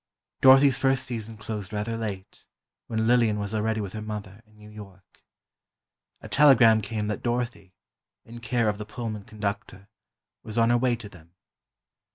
Dorothy's first season closed rather late, when Lillian was already with her mother, in New York. A telegram came that Dorothy, in care of the Pullman conductor, was on her way to them.